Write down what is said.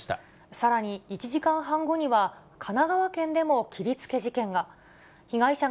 さらに、１時間半後には、神奈川県でも切りつけ事件が。